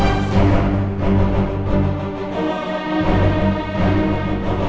kau sudah pernah menemukan